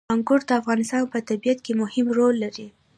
انګور د افغانستان په طبیعت کې مهم رول لري.